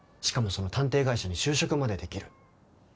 しかもその探偵会社に就職までできる。